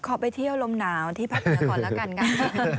ขอไปเที่ยวลมหนาวที่พักเที่ยวก่อนแล้วกันกัน